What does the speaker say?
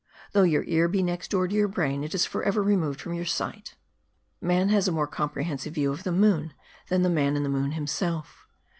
Though your ear be next door to your brain, it is for ever removed from your sight. Man has a more compre hensive view of the moon, than the man in the moon himself.